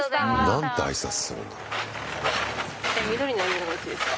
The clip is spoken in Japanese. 何て挨拶するんだろう？